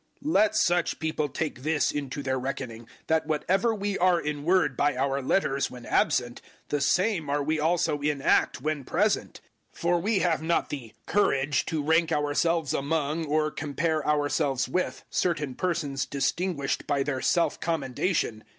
010:011 Let such people take this into their reckoning, that whatever we are in word by our letters when absent, the same are we also in act when present. 010:012 For we have not the `courage' to rank ourselves among, or compare ourselves with, certain persons distinguished by their self commendation.